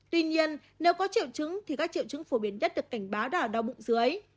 tuy nhiên nếu có triệu chứng thì các triệu chứng phổ biến nhất được cảnh báo là đau bụng dưới